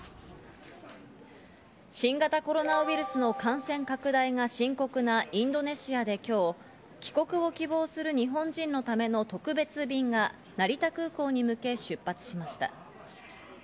新型コロナウイルスの感染拡大が深刻なインドネシアで今日、帰国を希望する日本人のための特別便が成田空港に向け出発しました。